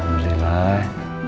nunggu aja kan